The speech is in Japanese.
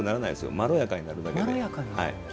まろやかになるだけで。